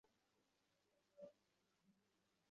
তখন আমাদের পাহারার ঘড়িতে ঢং ঢং করে দুটো বাজল।